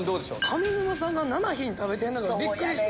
上沼さんが７品食べてるのがびっくりして。